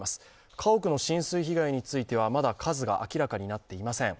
家屋の浸水被害についてはまだ数が明らかになっていません。